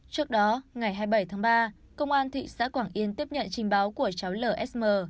trước đó ngày hai mươi bảy tháng ba công an thị xã quảng yên tiếp nhận trình báo của cháu lsm